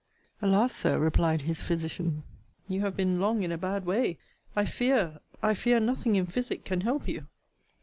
Alas! Sir, replied his physician, you have been long in a bad way. I fear, I fear, nothing in physic can help you!